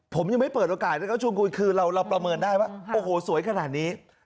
ผมยังไม่เปิดโอกาสให้เขาชวนคุยคือเราประเมินได้ว่าโอ้โหสวยขนาดนี้